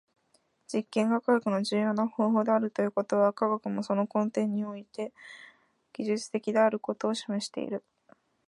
実験が科学の重要な方法であるということは、科学もその根底において技術的であることを示している。